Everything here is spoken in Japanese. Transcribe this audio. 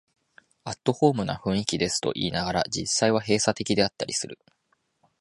アットホームな雰囲気ですと言いながら、実際は閉鎖的だったりする